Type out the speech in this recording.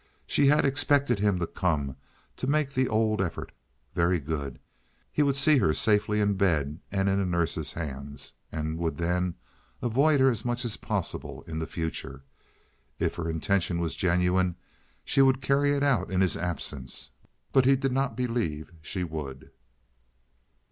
She had expected him to come—to make the old effort. Very good. He would see her safely in bed and in a nurse's hands, and would then avoid her as much as possible in the future. If her intention was genuine she would carry it out in his absence, but he did not believe she would.